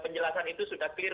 penjelasan itu sudah clear